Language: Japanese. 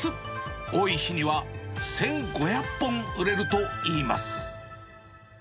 多い日には、１５００本ほど売れるといいます。